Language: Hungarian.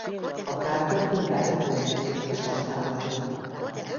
A kártya ingázó bérletként is használható.